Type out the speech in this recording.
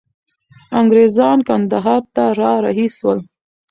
انګریزان کندهار ته را رهي سول.